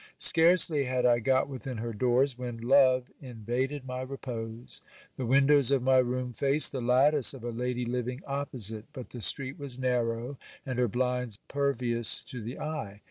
Scarcely had I got within her doors, when love invaded my repose. The windows of my room faced the lattice of a lady living opposite : but the street was narrow, and her blinds pervious to the eye.